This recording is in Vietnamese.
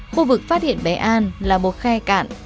khu vực phát hiện bé an là một khe cạn